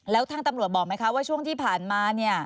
แล้วทางตำรวจบอกไหมคะว่าช่วงที่ผ่านมาเนี่ย